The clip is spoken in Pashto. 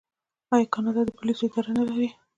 آیا کاناډا د پولیسو اداره نلري؟